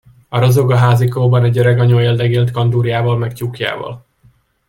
A rozoga házikóban egy öreganyó éldegélt kandúrjával meg tyúkjával.